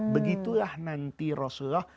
begitulah nanti rasulullah